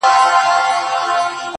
كله! كله يې ديدن تــه لـيونـى سم!